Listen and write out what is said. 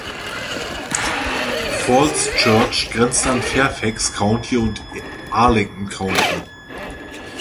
Falls Church grenzt an Fairfax County und Arlington County.